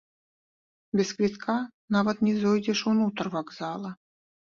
Без квітка нават не зойдзеш унутр вакзала!